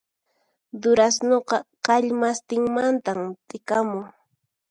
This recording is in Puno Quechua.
Durasnuqa k'allmastinmantan t'ikamun